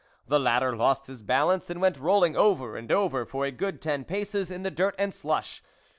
The latter lost his balance, and went rolling over and over for a good ten paces in the dirt and slush.